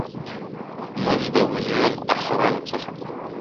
« موړ د وږي له احواله څه خبر دی,